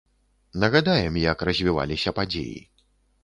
Нагадаем, як развіваліся падзеі.